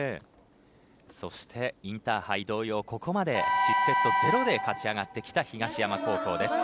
そしてインターハイ同様ここまで失セット０で勝ち上がってきた東山高校です。